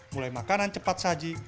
mulai makanan cepat saji